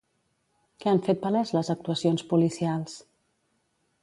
Què han fet palès les actuacions policials?